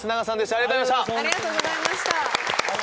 ありがとうございます。